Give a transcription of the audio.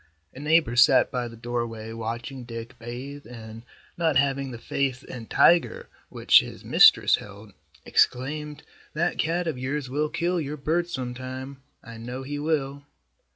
A neighbor sat by the doorway watching Dick bathe and, not having the faith in Tiger which his mistress held, exclaimed, "That cat of yours will kill your bird sometime. I know he will."